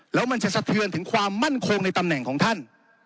แล้วมันจะสะเทือนถึงความมั่นคงในตำแหน่งของท่าน